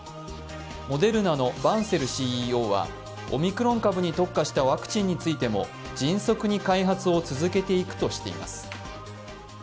モデルナのバンセルＣＥＯはオミクロン株に特化したワクチンについても迅速に開発を続けていくとしています。